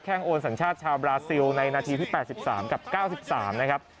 โอนสัญชาติชาวบราซิลในนาทีที่๘๓กับ๙๓นะครับ